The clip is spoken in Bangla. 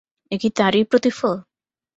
এ কি তারই প্রতিফল?